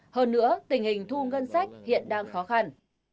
hơn nữa tình hình thu ngân sách hiện đang khó khăn